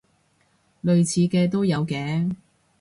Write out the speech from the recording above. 類似嘅都有嘅